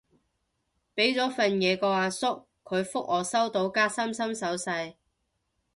畀咗份嘢個阿叔，佢覆我收到加心心手勢